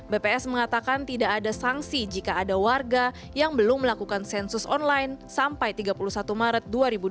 bps mengatakan tidak ada sanksi jika ada warga yang belum melakukan sensus online sampai tiga puluh satu maret dua ribu dua puluh